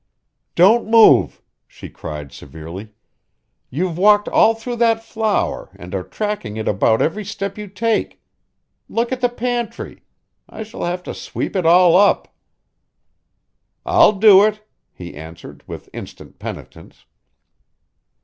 "Don't move!" she cried severely. "You've walked all through that flour and are tracking it about every step you take. Look at the pantry! I shall have to sweep it all up." "I'll do it," he answered with instant penitence.